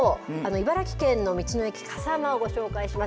茨城県の道の駅かさまをご紹介します。